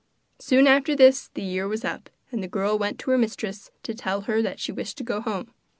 Soon after this the year was up, and the girl went to her mistress to tell her that she wished to go home.